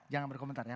jangan berkomentar ya